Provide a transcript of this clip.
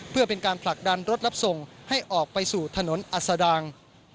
เพื่อเป็นการผลักดันรถรับส่งให้ออกไปสู่ถนนอัศดาง